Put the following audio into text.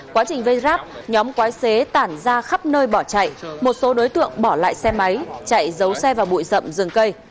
quá trình vây ráp nhóm quái xế tản ra khắp nơi bỏ chạy một số đối tượng bỏ lại xe máy chạy giấu xe vào bụi rậm dừng cây